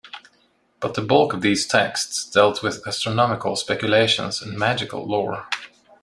But the bulk of these texts dealt with astronomical speculations and magical lore.